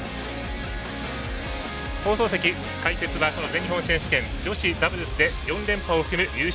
放送席、解説は全日本選手権、女子ダブルスで４連覇を含む優勝